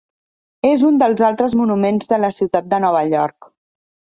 És un dels altres monuments de la ciutat de Nova York.